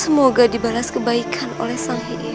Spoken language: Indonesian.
semoga dibalas kebaikan oleh sang hei'iyah